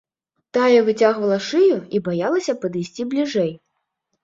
Тая выцягвала шыю і баялася падысці бліжэй.